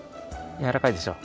やわらかいでしょ？